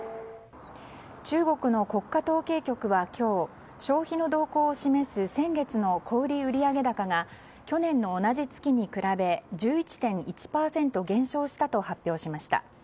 中国の国家統計局は今日消費の動向を示す先月の小売売上高が去年の同じ月に比べ１１．％減少したと発表しました。